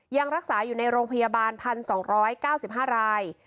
ยังรักษาอยู่ในโรงพยาบาล๑๒๙๕ราย